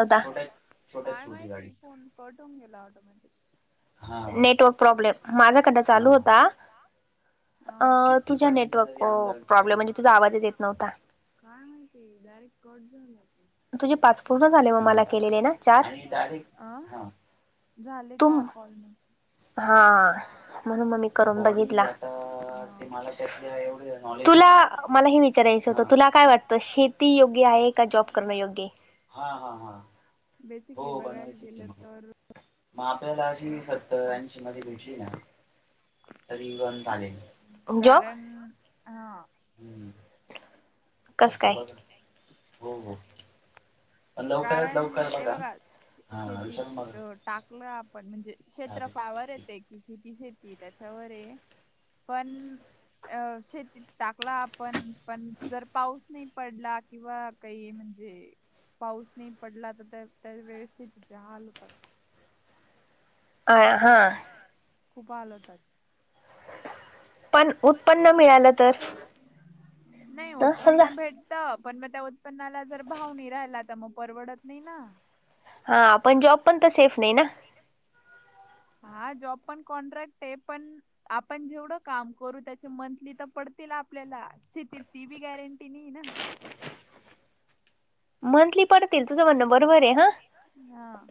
Cut झाला हुता... काय माहिती फोन कट होऊन गेला ऑटोमॅटिक हा... नेट नेटवर्क प्रॉब्लेम... माझाकडंन चालू होता अ... तुझ्या नेटवर्क प्र... प्रॉब्लेम... म्हणजे तुझा आवाजच येत नव्हता काय माहिती... डायरेक्ट कट झाला तुझे पाच पूर्ण झाले मग... मला केलेले ना... चार... तीन झाले की हा झाले चार कॉल मग हा... म्हणून मग मी करून बघितला... [unintelligible] नौलेज... तुला मला हे विचारायचं होतं... तुला काय वाटतं शेती योग्य आहे... का जॉब करणं योग्य ए? हा हा हा बेसिकली बघायला गेलं तर मग आपल्याला अशी, सत्तर ऐंशी मध्ये भेटशी ना... तरी पण चालेल कारण... हा कसं काय [unintelligible] कारण... ए बघा... शेतीत टाक मापन... म्हणजे क्षेत्रफळावर ए... ते की... कितीे हे ती त्याच्यावर ए... पण... अ... शेतीत टाकला आपण पण... जर पाऊस नई पडला... किंवा काई म्हणजे पाऊस नई पडला... तर त्या... त्या वेळेस शेतीचे हाल होतात खूप [unintelligible] हा. खूप हाल होतात. पण उत्पन उत्पन्न मिळालं तर... नाई उत्पन्न भेट तं... पण मग त्या उत्पन्नाला जर भाव नई राहिला तर... मग परवडत नई ना हा... पण जॉब पण तर सेफ नई ना हा... जॉब पण कॉन्ट्रॅक्ट ए पण आपण जेवढं काम करू त्याचे... याचे मंथली तर पडतील आपल्याला... शेतीत ती बी गॅरंटी नई है ना मंथली पडतील... तुझं म्हणण बरोबर ए हा...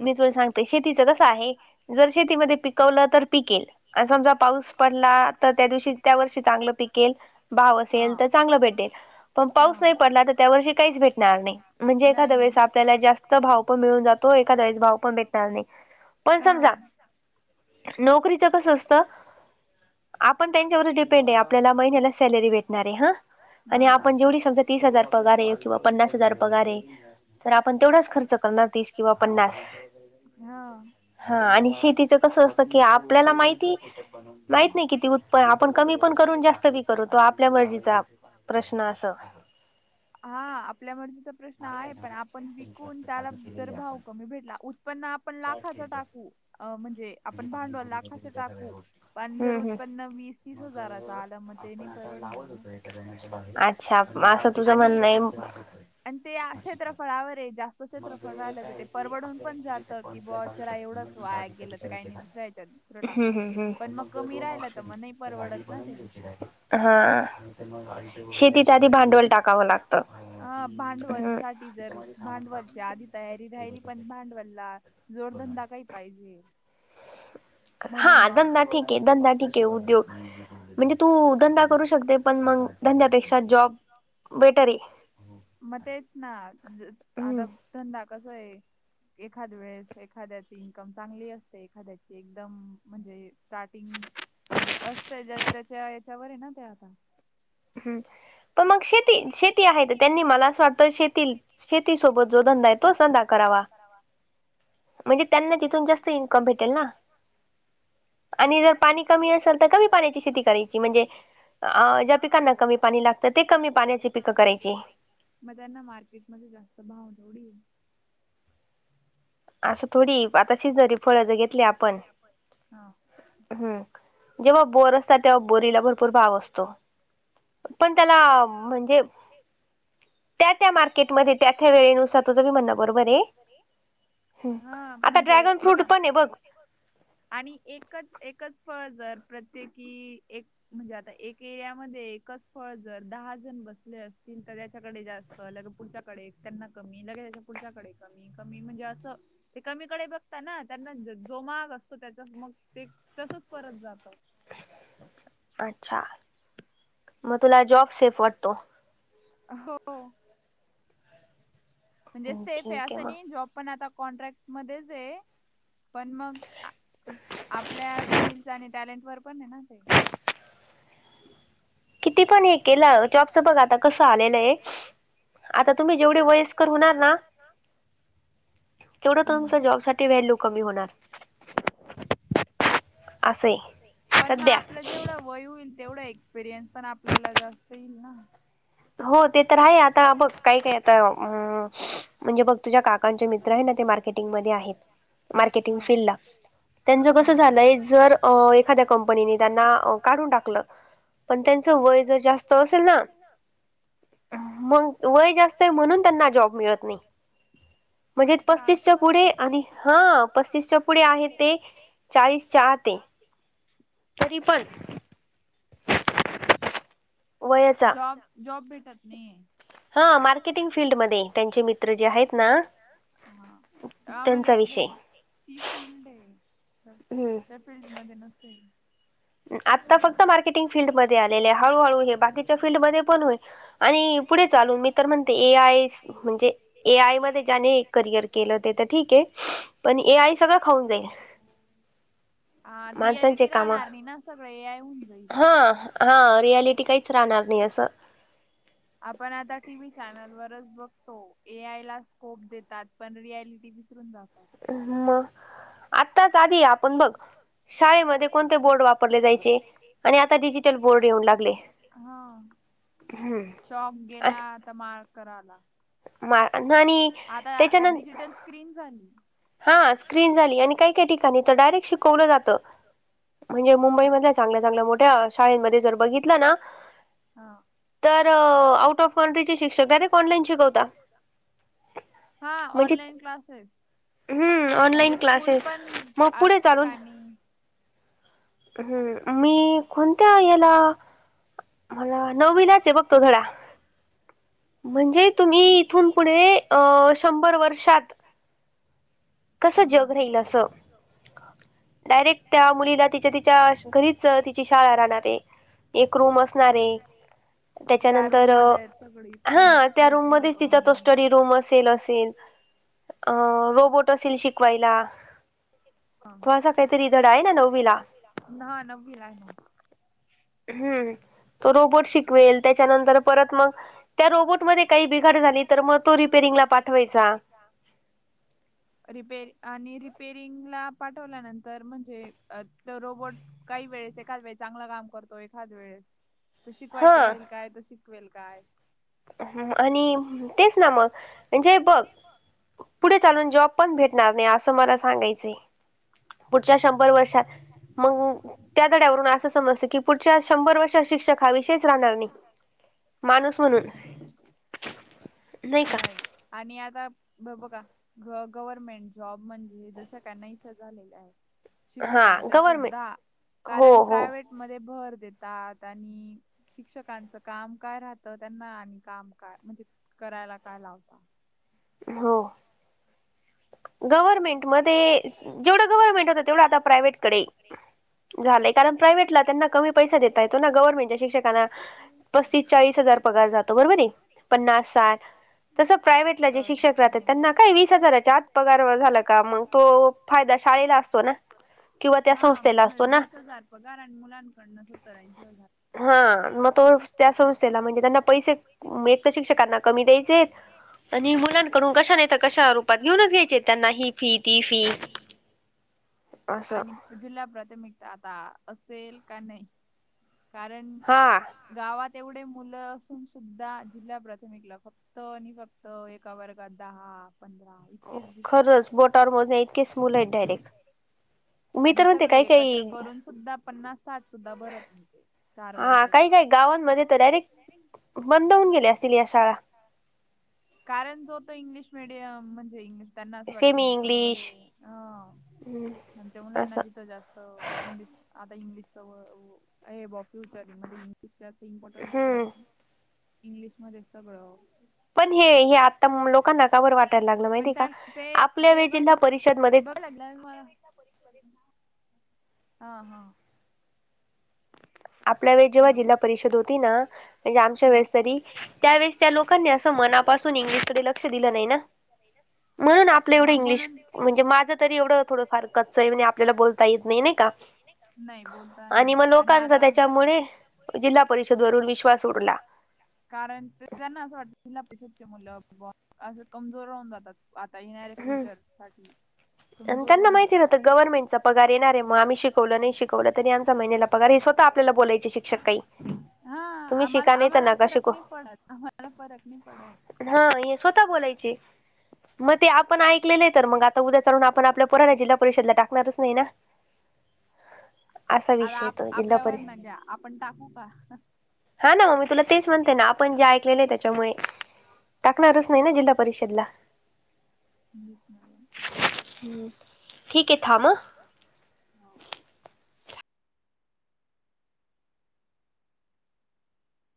मी तुला सांगते... शेतीचं कसं कसं आहे... जर शेतीमध्ये पिकवलं तर पिकेल आणि समजा पाऊस पडला... तर त्या दिवशी... त्या वर्षी चांगलं पिकेल भाव असेल... तर चांगला भेटेल. पण पाऊस नाही पडला तर... त्या वर्षी काहीच भेटणार नाई. म्हणजे एखादं वेळेस... आपल्याला जास्त भाव पण मिळून जातो... एखादं वेळेस भाव पण भेटणार नई पण समजा... नोकरीचं कसं असतं आपण त्यांच्यावर डिपेंड ए... आपल्याला महिन्याला सॅलरी भेटणार ए... हा आणि आपण जेवढी समजा तीस हजार पगार ए किंवा पन्नास हजार पगार ए... तर आपण तेवढाच खर्च करणार... तीस किंवा पन्नास हा हा... आणि शेतीचं कसं असतं... की आपल्याला माहिती माहित नाई किती उत्प... आपण कमी पण करू आणि जास्त बी करू... तो आपल्या मर्जीचा प्रश्न... आ... असं हा... आपल्या मर्जीचा प्रश्न आहे पण आपण विकून त्याला जर भाव कमी भेटला उत्पन्न आपण लाखाचा टाकू अ म्हणजे आपण भांडवलाखाचं टाकू [unintelligible] पण जर उत्पन्न वीस तीस हजाराच आलं मग त नाही परवडणार ना [unintelligible] अच्छा असं तुझ म्हणणं [unintelligible] आणि ते क्षेत्रफळावर जास्त क्षेत्रफळ राहिलं तर ते परवडून पण जात. [unintelligible] की बॉय एवढंच वाया गेलं. [unintelligible] काही नाही दुसऱ्या याच्यात दुसरं टाकू पण मग कामी राहिलं तर मग नाही परवडत ना ते. हा [unintelligible] [unintelligible] हा भांडवल साठी जर भांडवल. [unintelligible] आधी तयारी राहिली पण भांडवलला जोरधंदा काही पाहिजे. [unintelligible] हा धंदा ठीक ये. [unintelligible] धंदा ठीके उद्योग म्हणजे तू धंदा करू शकते पण मग धंदापेक्षा जॉब. बेटर आहे. [unintelligible] मग तेच ना आता धंदा कस आहे. [unintelligible] एखाद वेळेस एखाद्याची इन्कम चांगली असते एखाद्याची एकदम म्हणजे स्टार्टिंग. म्हणजे असते ज त्याच्या याच्यावर आहे ना ते आता. [unintelligible] हम्म पण मग शेती शेती आहे त्यांनी मला असं वाटतं शेती. [unintelligible] शेती सोबत जो धंदा आहे तो धंदा करावा. [unintelligible] म्हणजे त्यांना तिथून जास्त इन्कम भेटेल ना. [unintelligible] आणि जर पाणी कमी असेल तर कमी पाण्याची शेती करायची म्हणजे ज्याप. [unintelligible] त्याना कमी पाणी लागतं ते कमी पाण्याची पिकं करायची. [unintelligible] मग त्यांना मार्केटमध्ये जास्त भाव तेवढ. [unintelligible] असं थोडी आता सिजनरी फळज घेतले आपण. [unintelligible] हम्म जेव्हा बोर असतात तेव्हा बोरीला भरपूर भाव असतो. [unintelligible] पण त्याला म्हणजे. [unintelligible] त्या त्या मार्केटमध्ये त्या वेळेनुसार तुझं मी म्हण बरोबर आहे. [unintelligible] ह आता ड्रॅगन फ्रूट पण आहे बघ. [unintelligible] आणि एकच एकच फळ जर प्रत्येकी एक. [unintelligible] म्हणजे आता एक एरियामध्ये एकच फळ जर दहा जण बसले असतील तर त्याच्याकडे जास्त. [unintelligible] लगे पुढच्याकडे त्यांना कमी लगेच्या पुढच्याकडे कमी कमी म्हणजे असं. [unintelligible] ते कमीकडे बघता ना त्यांना जो महाग असतो त्याचा मग ते तसच परत जातं. अच्छा मग तुला जॉब सेफ वाटतो? [unintelligible] हो [unintelligible] म्हणजे सेफ आहे असं नाही जॉब पण आता कॉन्ट्रॅक्ट मध्येच आहे पण मग. [unintelligible] आपल्या स्किल्स आणि टॅलेंट वर पण आहे ना ते. [unintelligible] हो [unintelligible] किती पण हे केलं चॉपचं बघ आता कसं आलेलं आहे. [unintelligible] आता तुम्ही जेवढे वयस्कर होणार ना. [unintelligible] तेवढं तुमच जॉब साठी व्हॅल्यू कमी होणार. [unintelligible] असे आहे सध्या. [unintelligible] वय होईल तेवढा एक्सपिरियन्स पण आपल्याला जास्त येईल ना. [unintelligible] हो ते तर आहे आता बघ काय काय आता आ. [unintelligible] म्हणजे बघ तुझ्या काकांचे मित्र आहे ना ते मार्केटिंग मध्ये आहेत मार्केटिंग फीलड ला. [unintelligible] त्यांचं कसं झालंय जर एखाद्या कंपनीने त्यांना काढून टाकलं. [unintelligible] पण त्यांचं वय जर जास्त असेल ना [unintelligible] मग वय जास्त आहे म्हणून त्यांना जॉब मिळत नाही [unintelligible] म्हणजे पस्तीसच्या पुढे आणि हा पस्तीसच्या पुढे आहे ते [unintelligible] चाळीस चा आत आहे तरी पण. [unintelligible] जॉब जॉब भेटत नाही. [unintelligible] हा मार्केटिंग फील्डमध्येध्ये त्यांचे मित्र जे आहेत ना. [unintelligible] हा हा म्हणजे [unintelligible] ती फील्ड आहे. फील्ड मध्ये नसेल. आता फक्त मार्केटिंग फील्ड मध्ये आलेले हळूहळू हे बाकीच्या फील्डमध्ये पण होईल. आणि पुढे चालून मी तर म्हणते ए आय म्हणजे ए आय मध्ये जाने क करिअर केलं ते तर ठीक आहे पण ए आय सगळं खाऊन जाईल. ह रियलिटी राहणार नाही ना सगळे हा हा रियालिटी काहीच राहणार नाही असं. आपण आता टीव्ही चॅनलवरच बघतो ए आय ला स्कोप देतात. पण रियालिटी विसरून जात. मग आत्ताच आधी आपण बघ शाळेमध्ये कोणते बोर्ड वापरले जायचे आणि आता डिजिटल बोर्ड येऊ लागले. हां चॉक गेला आता मारकर आला. म आणि त्याच्यानंत क्रीन झाली हा स्क्रीन झाली आणि काही काही ठिकाणी तर डायरेक्ट शिकवलं जातं. म्हणजे मुंबई मधल्या चांगल्या चांगल्या मोठ्या शाळमध्ये जर बघितलं ना तर आऊट ऑफ कंट्री चे शिक्षक डायरेक्ट ऑनलाइन शिकवता. हा ऑनलाईन क्लासेस. म्हणजे स्कूल पण असते का नाही. हम्म मी कोणत्या याला मला नऊवीलाच आहे बघ तो धडा. म्हणजे तुम्ही इथून पुढे शंभर वर्षात कसं जग राहील असं. डायरेक्ट त्या मुलीला तिच्या तिच्या घरीच तिची शाळा राहणार आहे. एक रूम असणारे त्याच्यानंतर [inaudible] हा त्या रूम मध्येच तिचा त स्टडी रूम असेल. अ रोबोट असेल शिकवायला. ह्ं नववी ला. हम्म तो रोबोट शिकवेल त्याच्यानंतर परत मग त्या रोबोटमध्ये काही बिघाड झाली तर मग तो रिपेरिंग ला पाठवायचा. रिपेर आणि रिपेरिंगला पाठवल्यानंतर म्हणजे तर रोबोट काही वेळेस एखकाद वेळेस चांगलं काम करतो एखाद वेळेस. तू शिकवायच राहील काय तू शिकवेल काय? ह आणि तेच ना मग म्हणजे बघ पुढे चालून जॉब पण भेटणार नाही असं मला सांगायचंय. पुढच्या शंभर वर्षात मग त्या धड्यावरून असं समजत की पुढच्या शंभर वर्षात शिक्षक हा विषयच राहणार नाही माणूस म्हणून नाही आणि आता ब बघा ग गव्हर्नमेंट जॉब म्हणजे जसं त्यांना नाहीसे झालेले आहे. शिक्षकांच्या सुद्धा कारण प्रायव्टमध्ये भर देतात आणि शिक्षकांच काम काय राहतं त्यांना आणि काम काय म्हणजे करायला काय लावत. हो गव्हर्नमेंट मध्ये जेवढं गव्हर्नमेंट होत तेवढं आता प्रायव्हेटकडे य कारण प्रायव्हेटला त्यांना कमी पैसा देता येतो ना गव्हर्नमेंटच्या शिक्षकांना पसतीस चाळीस हजार पगार जातो बरोबर पन्नास स तस प्राय ते शिक्षक राहतात त्यांना काय वीस हजारा आत पगार झाला का मग तो फायदा शाळेला असतो ना. हा वीस हजार प कारण मुलांकडनं सत्तर ऐंशी हजार हा मग तो त्या संस्थेला म्हणजे त्यांना पैसे येत का शिक्षकांना कमी द्यायचे आहेत. आणि मुलांकडून कशा नाहीतर कशा रूपात घेऊनच घ्यायचे त्यांना. फी ती फी असा जिल्हा प्राथमिक आता असेल का नाही कारण हा गावात एवढे मुलं असून सुद्धा जिल्हा प्राथमिकला फक्त फक्त आणि फक्त एका वर्गात दहा पंधरा खरंच बोटावर मोजण्या इतकीच मुूल आहेत डायरेक्ट आणि सगळे एकत्र करून सुद्धा पन्नास साठ सुद्धा भरत म्ह तेे चार वर्ग एकत्र करून [unintelligible] [inaudible] बंद होऊन गेल्या असतील या शाळा. कारण जो तो इंग्लिश मिीडियम म्हणजे इंग्लि त्यांना असं वाटत इंग्लिश मीडियम मध्ये ह आमच्या मुलांना देतो जास्त इंग्लिश आता इंग्लिशच [unintelligible] फ्युचर जास्त इम्पॉर्टंट आहे म्हणून इंग्लिश मध्ये सगळं पण हे आता लोकांना का बर वाटायला लागलं माहितीय का आपल्या जिल्हा परिषदमध्ये [unintelligible] हा हा आपल्या वेळेस जेव्हा जिल्हा परिषद होती ना म्हणजे आमच्या वेळेस तरी त्यावेेळेस त्या लोक लोकांनी असं मनापासून इंग्लिशकडे लक्ष दिलं नाही ना. म्हणून आपलं एवढं इंग्लिश म्हणजे माझं तरी एवढं थोडं फार कच आहे म्हणजे आपल्याला बोलता येत नाही नाही का? नाही बोलता नाही येत आणि लोकांचा त्याच्यामुळे जिल्हा परिषद वरून विश्वास उडला. कारण ते त्यांना असं वाटत पेशचे मुलं अस कमजोर राहून जातात [unintelligible] आता येणारे फ्युचर साठी त्यांना माहिती न्हतं गव्हर्नमेंटचा पगार येणारे मग आम्ही शिकवलं नाही शिकवलं तरी आम महिन्याला पगार हे स्वत आपल्याला बोलायचे शिक्षक काही हा आमला आम्हाला फरक नाही पडत आम्हाला फरक नाही पडत. हा हे स्वतः बोलायचे. ते आपण ऐकलेले तर मग आता उद्या चालून आपण आपल्या पोराना जिल्हा परिषदला टाकणारच नाही ना. ह [inaudible] आता आपल्यावर ना घ्या आपण टाकू का? हा ना मग मी तुला तेच म्हणते ना आपण जे ऐकलेले आहे त्याच्यामुळे टाकणारच नाही ना जिल्हा परिषदला. मीच मॅड [unintelligible] ठीक आहे थांब ह. हो [unintelligible]